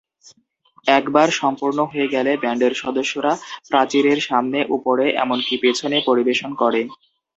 একবার সম্পূর্ণ হয়ে গেলে, ব্যান্ডের সদস্যরা প্রাচীরের সামনে, উপরে, এমনকি পেছনে পরিবেশন করে।